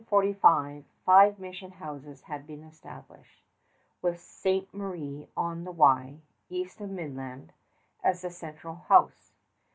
By 1645, five mission houses had been established, with Ste. Marie on the Wye, east of Midland, as the central house.